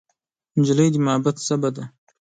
نجلۍ د محبت ژبه ده.